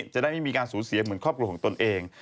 จะได้ไม่มีการสูญเสียเหมือนครอบครัวของตนเอง